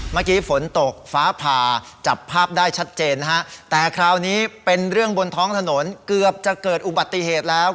เมื่อกี้ฝนตกฟ้าผ่าจับภาพได้ชัดเจนนะฮะแต่คราวนี้เป็นเรื่องบนท้องถนนเกือบจะเกิดอุบัติเหตุแล้ว